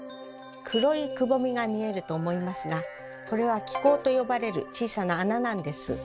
黒いくぼみが見えると思いますがこれは「気孔」と呼ばれる小さな穴なんです。